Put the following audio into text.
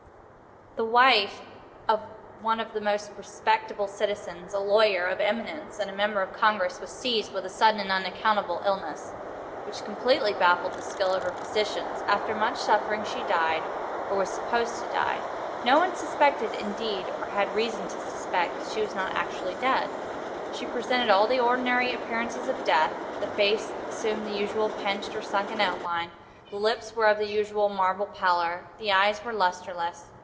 The wife of one of the most respectable citizens—a lawyer of eminence and a member of Congress—was seized with a sudden and unaccountable illness, which completely baffled the skill of her physicians. After much suffering she died, or was supposed to die. No one suspected, indeed, or had reason to suspect, that she was not actually dead. She presented all the ordinary appearances of death. The face assumed the usual pinched and sunken outline. The lips were of the usual marble pallor. The eyes were lustreless.